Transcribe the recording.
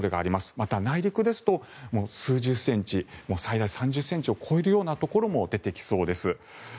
また内陸ですと、数十センチ最大３０ｃｍを超えるようなところも出てきそうです。